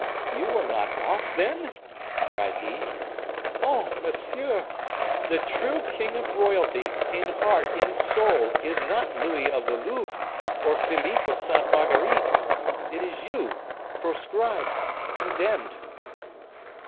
"You are not off, then?" cried he. "Oh, monsieur! the true king of royalty, in heart, in soul, is not Louis of the Louvre, or Philippe of Sainte Marguerite; it is you, proscribed, condemned!"